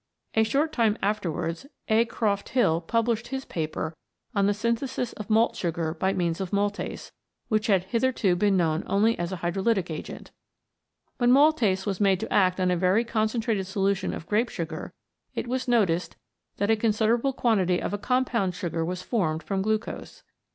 A short time afterwards A. Croft Hill published his paper on the synthesis of malt sugar by means of maltase, which had hitherto been known only as a hydrolytic agent. When maltase was made to act on a very concen trated solution of grape sugar, it was noticed that a considerable quantity of a compound sugar was formed from glucose.